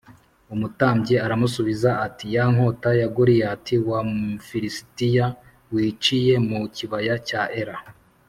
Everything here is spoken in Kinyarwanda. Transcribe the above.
Umutambyi aramusubiza ati “Ya nkota ya Goliyati wa Mufilisitiya wiciye mu kibaya cya Ela